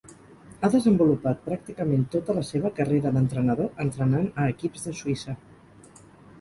Ha desenvolupat pràcticament tota la seva carrera d'entrenador entrenant a equips de Suïssa.